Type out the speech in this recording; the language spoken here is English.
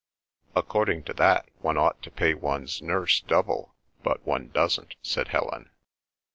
"According to that, one ought to pay one's nurse double; but one doesn't," said Helen.